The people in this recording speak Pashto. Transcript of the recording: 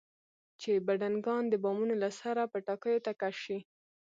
چې بډنکان د بامونو له سره پټاکیو ته کش شي.